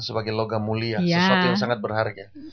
sebagai logam mulia sesuatu yang sangat berharga